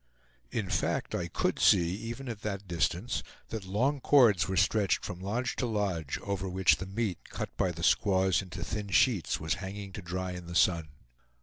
In fact I could see, even at that distance, that long cords were stretched from lodge to lodge, over which the meat, cut by the squaws into thin sheets, was hanging to dry in the sun.